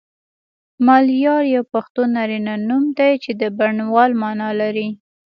ملیار یو پښتو نارینه نوم دی چی د بڼوال معنی لری